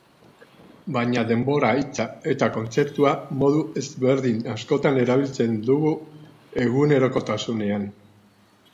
Baina denbora hitza eta kontzeptua modu ezberdin askotan erabiltzen dugu egunerokotasunean.